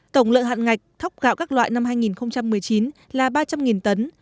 tổng lượng hạn ngạch thóc gạo các loại năm hai nghìn một mươi chín là ba trăm linh tấn